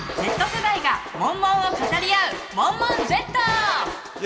Ｚ世代がモンモンを語り合う「モンモンＺ」。